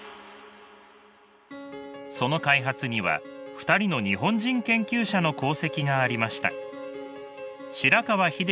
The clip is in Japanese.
その開発には２人の日本人研究者の功績がありました。